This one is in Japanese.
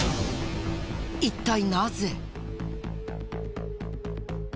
一体なぜ？